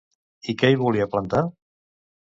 I què hi volia plantar?